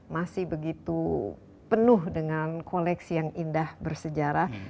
masih begitu penuh dengan koleksi yang indah bersejarah